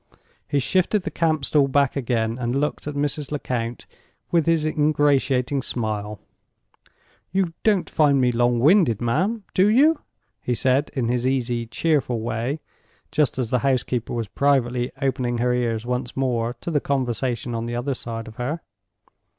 He shifted the camp stool back again, and looked at Mrs. Lecount with his ingratiating smile. "You don't find me long winded, ma'am—do you?" he said, in his easy, cheerful way, just as the housekeeper was privately opening her ears once more to the conversation on the other side of her.